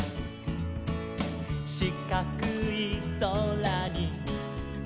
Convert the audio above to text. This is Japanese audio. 「しかくいそらに」